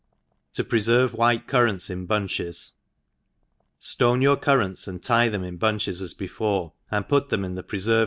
Topreferve White Currants in Bunches. STONE your currants, and tic them in bunches as before, and put them in the preferving?